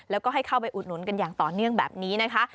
แล้วก็ให้เข้าไปอุดหนุนกันอย่างต่อเนื่องแบบนี้นะคะ